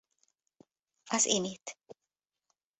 Az Imit.